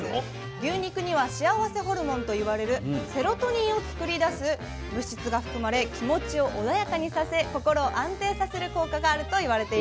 牛肉には幸せホルモンと言われるセロトニンを作り出す物質が含まれ気持ちを穏やかにさせ心を安定させる効果があると言われているんです。